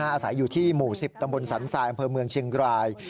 อาศัยอยู่ที่หมู่๑๐ตำบลสันทรายอำเภอเมืองเชียงราย